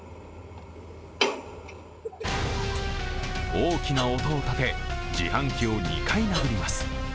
大きな音をたて、自販機を２回殴ります。